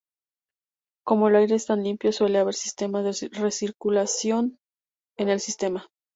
Como el aire es tan limpio suele haber sistemas de recirculación en el sistema.